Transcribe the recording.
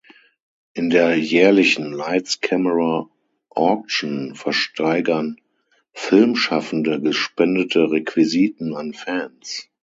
In der jährlichen "Lights, Camera, Auction" versteigern Filmschaffende gespendete Requisiten an Fans.